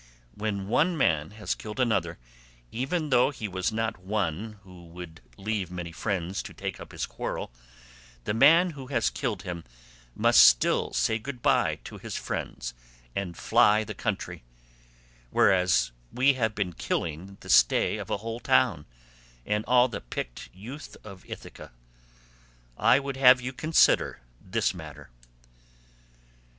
When one man has killed another—even though he was not one who would leave many friends to take up his quarrel—the man who has killed him must still say good bye to his friends and fly the country; whereas we have been killing the stay of a whole town, and all the picked youth of Ithaca. I would have you consider this matter."